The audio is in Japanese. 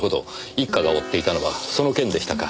一課が追っていたのはその件でしたか。